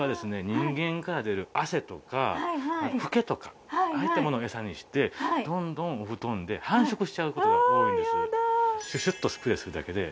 人間から出る汗とかフケとかああいったものをエサにしてどんどんお布団で繁殖しちゃう事が多いんです。